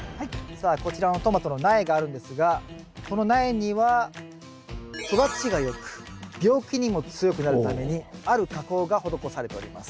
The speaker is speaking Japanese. さあこちらのトマトの苗があるんですがこの苗には育ちがよく病気にも強くなるためにある加工が施されております。